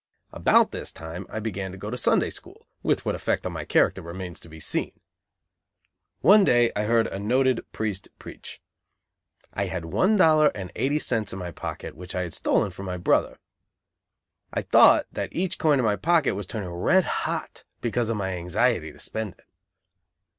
About this time I began to go to Sunday School, with what effect on my character remains to be seen. One day I heard a noted priest preach. I had one dollar and eighty cents in my pocket which I had stolen from my brother. I thought that each coin in my pocket was turning red hot because of my anxiety to spend it.